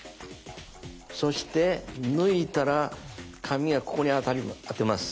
そして抜いたら紙はここに当てます。